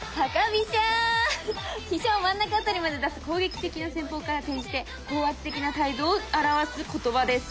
飛車を真ん中あたりまで出す攻撃的な戦法から転じて高圧的な態度を表す言葉です。